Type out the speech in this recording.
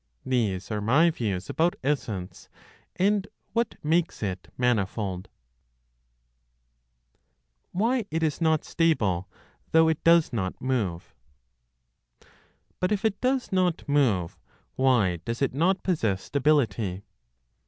These are my views about essence and what makes it manifold. WHY IT IS NOT STABLE, THOUGH IT DOES NOT MOVE. But if it does not move, why does it not possess stability?